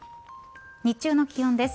日中の気温です。